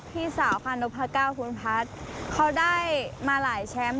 พี่สาวหนภก้าวภูนิภัทรเขาได้มาหลายแชมป์